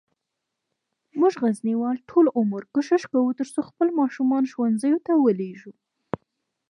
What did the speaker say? مونږه غزنیوال ټول عمر کوښښ کووه ترڅوخپل ماشومان ښوونځیوته ولیږو